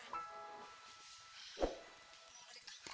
pengolah di kampung kak